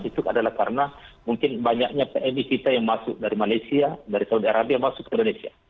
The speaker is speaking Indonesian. itu adalah karena mungkin banyaknya pmi kita yang masuk dari malaysia dari saudi arabia masuk ke indonesia